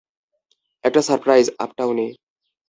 একটা সারপ্রাইজ, আপটাউনে।